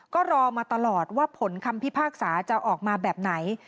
ก็รอมาตลอดว่าผลคำพิพากษาจะออกมาแบบไหน